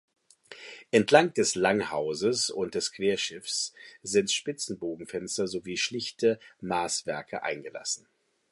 Entlang des Langhauses und des Querschiffs sind Spitzbogenfenster sowie schlichte Maßwerke eingelassen.